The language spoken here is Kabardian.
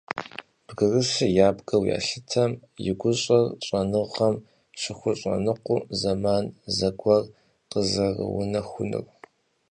Бгырыс ябгэу ялъытэм и гущӏэр щӏэныгъэм щыхущӏэкъуну зэман зэгуэр къызэрыунэхунур.